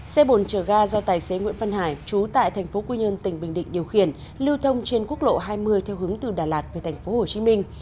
xe bồn chở ga do tài xế nguyễn văn hải trú tại thành phố quy nhơn tỉnh bình định điều khiển lưu thông trên quốc lộ hai mươi theo hướng từ đà lạt về thành phố hồ chí minh